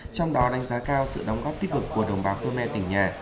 trong đó đánh giá cao sự đóng góp tích cực của đồng bào khơ me tỉnh nhà